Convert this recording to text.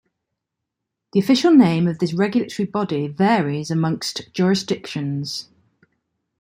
The official name of this regulatory body varies among jurisdictions.